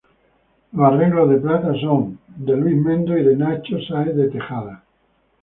Los arreglos de "Plata" son de Luis Mendo y de Nacho Sáenz de Tejada.